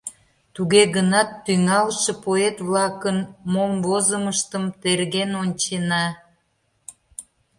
Туге гынат тӱҥалше поэт-влакын мом возымыштым терген ончена.